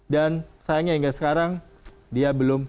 dan sayangnya hingga sekarang dia berhenti